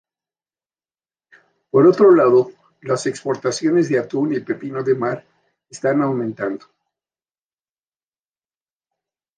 Por otro lado, las exportaciones de atún y pepino de mar están aumentando.